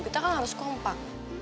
kita kan harus kompak